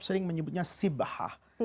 sering menyebutnya sibahah